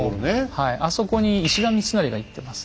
はいあそこに石田三成が行ってます。